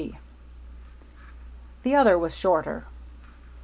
C. The other was shorter.